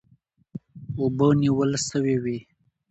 اوبه نیول سوې وې.